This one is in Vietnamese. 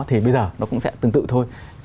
thì bây giờ nó cũng sẽ tương tự thôi